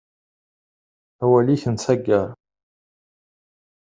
Awal-ik n taggar.